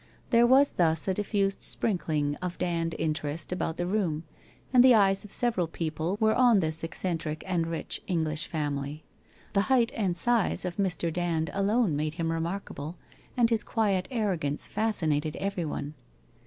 There was thus a diffused sprinkling of Dand interest about the room, and the eyes of several people were on this eccentric and rich English family. The height and size of Mr. Dand alone made him remarkable and his quiet arrogance fascinated everyone.